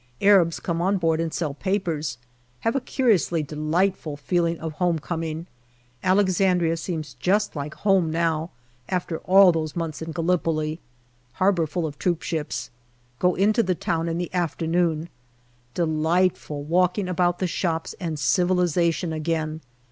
Arabs come on board and sell papers. Have a curiously delightful feeling of homecoming. Alexandria seems just like home now, after all those months in Gallipoli. Har bour full of troopships. Go into the town in the afternoon. Delightful walking about the shops and civilization again.